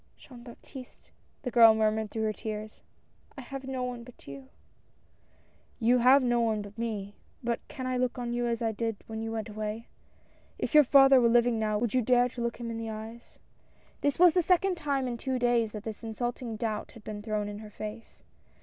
"Jean Baptiste," the girl murmured through her tears, " I have no one but you." THE RETURN. 191 "You have no one but me — but can I look on you as I did when you went away ? If your father were living now, would you dare to look him in the eyes ?" This was the second time in two days that this insulting doubt had been thrown in her face.